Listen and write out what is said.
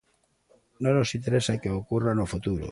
Non nos interesa o que ocorra no futuro.